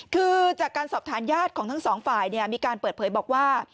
คือจากการสอบถามญาติของทั้งสองฝ่ายมีการเปิดเผยบอกว่า